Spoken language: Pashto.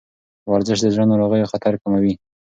ورزش د زړه ناروغیو خطر کموي.